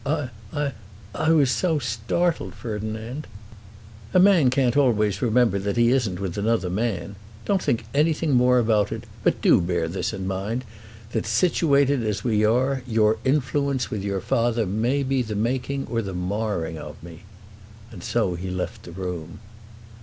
"I I I was so startled, Ferdinand." "A man can't always remember that he isn't with another man. Don't think anything more about it; but do bear this in mind, that, situated as we are, your influence with your father may be the making or the marring of me." And so he left the room.